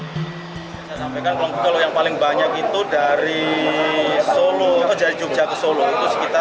saya sampaikan kalau yang paling banyak itu dari jogja ke solo itu sekitar delapan puluh